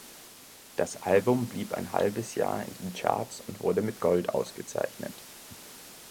Das Album blieb ein halbes Jahr in den Charts und wurde mit Gold ausgezeichnet.